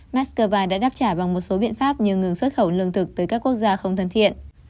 mắc cơ va đã đáp trả bằng một số biện pháp như ngừng xuất khẩu lương thực tới các quốc gia không thân thiện